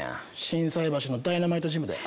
心斎橋のダイナマイトジムで。